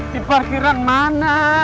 di parkiran mana